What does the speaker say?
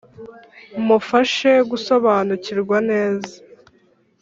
mufashe gusobanukirwa neza